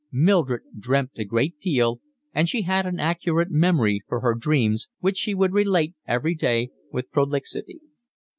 Mildred dreamt a great deal, and she had an accurate memory for her dreams, which she would relate every day with prolixity.